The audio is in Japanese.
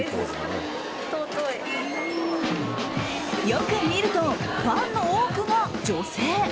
よく見るとファンの多くが女性！